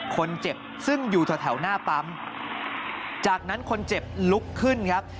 คนเจ็บซึ่งอยู่แถวหน้าปั๊มจากนั้นคนเจ็บลุกขึ้นครับ